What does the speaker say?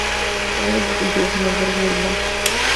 Sus colores distintivos son el verde y el blanco.